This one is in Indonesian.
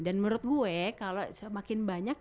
dan menurut gue kalau semakin banyak